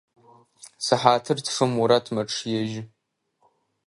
Сыхьатыр тфым Мурат мэчъыежьы.